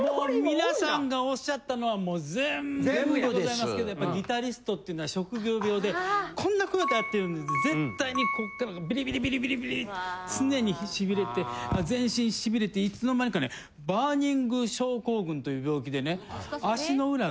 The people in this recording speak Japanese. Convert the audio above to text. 皆さんがおっしゃったのはもう全部でございますけどやっぱりギタリストっていうのは職業病でこんなことやってるんで絶対にこっからビリビリビリって常に痺れて全身痺れていつの間にかねバーニング症候群という病気でね。